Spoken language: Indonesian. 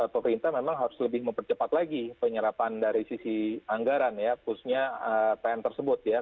pemerintah memang harus lebih mempercepat lagi penyerapan dari sisi anggaran ya khususnya pn tersebut ya